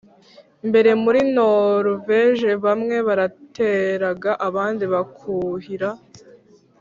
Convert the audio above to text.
mbere muri Noruveje bamwe barateraga abandi bakuhira